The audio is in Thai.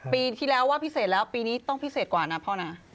ปีที่แล้วว่าพิเศษแล้วปีนี้ต้องพิเศษกว่านะพ่อนะ